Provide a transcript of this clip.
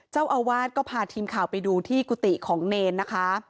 เจ้าอาวาสก็พาทีมข่าวไปดูที่กุฏิของเนรนะคะ